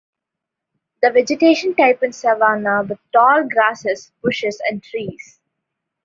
The vegetation type is Savannah, with tall grasses, bushes and tress.